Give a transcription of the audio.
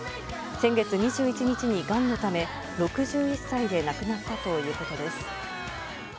先月２１日にがんのため６１歳で亡くなったということです。